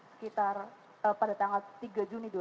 sekitar pada tanggal tiga juni dua ribu lima belas